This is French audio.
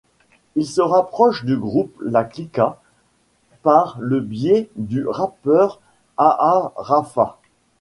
Ils se rapprochent du groupe La Cliqua par le biais du rappeur Aarafat.